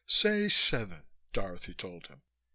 "Say seven," Dorothy told him.